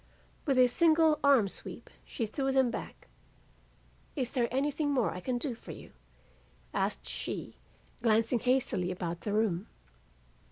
"With a single arm sweep she threw them back. 'Is there anything more I can do for you?' asked she, glancing hastily about the room.